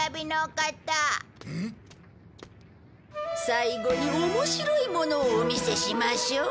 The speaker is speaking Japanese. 最後に面白いものをお見せしましょう。